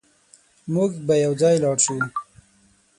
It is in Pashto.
موږ به يوځای لاړ شو